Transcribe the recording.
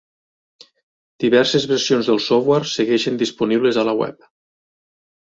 Diverses versions del software segueixen disponibles a la Web.